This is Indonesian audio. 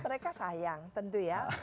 mereka sayang tentu ya